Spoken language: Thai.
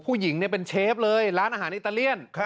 ผู้หญิงเป็นเชฟเลยร้านอาหารอิตาเลียน